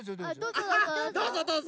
あっどうぞどうぞ。